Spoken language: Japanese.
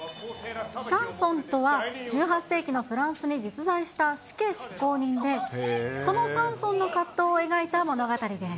サンソンとは、１８世紀のフランスに実在した死刑執行人で、そのサンソンの葛藤を描いた物語です。